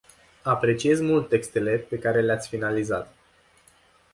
Apreciez mult textele pe care le-ați finalizat.